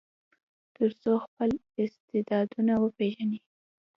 تر څو خپل استعدادونه وپیژني.